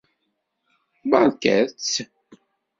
Barket-t!